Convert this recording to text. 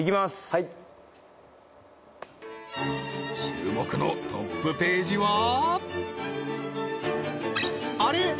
はい注目のトップページはあれ？